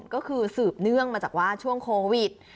ก็คือสืบเนื่องมาจากว่าช่วงโควิด